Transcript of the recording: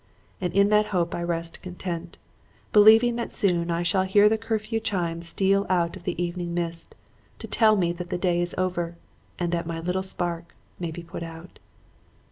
And in that hope I rest content; believing that soon I shall hear the curfew chime steal out of the evening mist to tell me that the day is over and that my little spark may be put out."